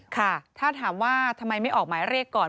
ค่ะถ้าถามว่าทำไมไม่ออกหมายเรียกก่อน